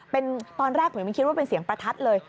ตอนแรกผมยังไม่คิดว่าเป็นเสียงประทัดเลย